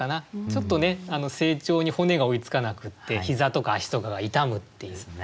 ちょっとね成長に骨が追いつかなくって膝とか足とかが痛むっていう。